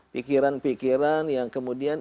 pikiran pikiran yang kemudian